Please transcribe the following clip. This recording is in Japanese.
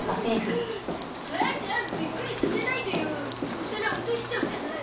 お皿落としちゃうじゃない。